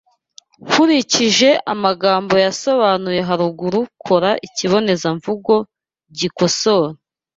kurikije amagambo yasobanuwe haruguru kora ikibonezamvugo gikosore